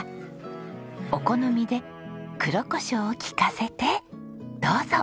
お好みで黒コショウを利かせてどうぞ。